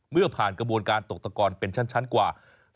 เมื่อผ่านกระบวนการตกตะกอนเป็นชั้นกว่า